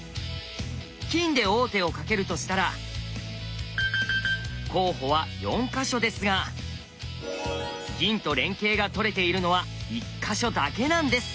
金で王手をかけるとしたら候補は４か所ですが銀と連係が取れているのは１か所だけなんです！